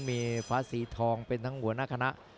มีฟ้าสีทองเป็นทั้งหัวหน้าคณะ